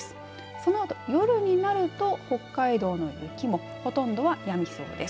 そのあと夜になると北海道の雪もほとんどはやみそうです。